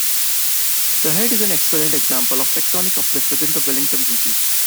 The head is an excellent example of tectonic uplift within the Wellington region.